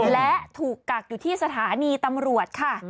และถูกกักอยู่ที่สถานีตำรวจค่ะ